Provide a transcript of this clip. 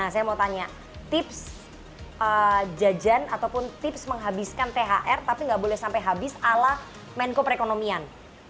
saya mau tanya tips jajan ataupun tips menghabiskan thr tapi nggak boleh sampai habis ala menko perekonomian